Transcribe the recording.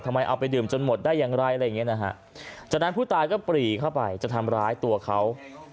เอาไปดื่มจนหมดได้อย่างไรอะไรอย่างเงี้นะฮะจากนั้นผู้ตายก็ปรีเข้าไปจะทำร้ายตัวเขา